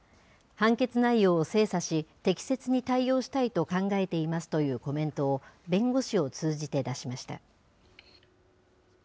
判決内容を精査し、適切に対応したいと考えていますというコメントを、弁護士を通じて出しました。